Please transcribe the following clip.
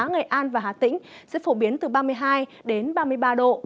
nghệ an và hà tĩnh sẽ phổ biến từ ba mươi hai đến ba mươi ba độ